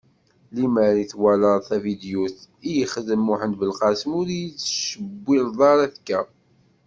Limer i twalaḍ tavidyut i d-yexdem Muḥend Belqasem ur iyi-tettcewwileḍ ara akka.